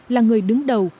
là người đứng đầu